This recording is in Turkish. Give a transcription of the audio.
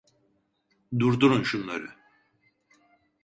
Durdurun şunları!